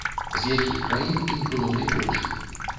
З якіх краін іх было найбольш?